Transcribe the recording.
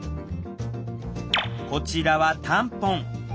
こちらはタンポン。